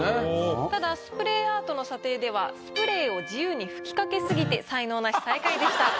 ただスプレーアートの査定ではスプレーを自由に吹きかけ過ぎて才能ナシ最下位でした。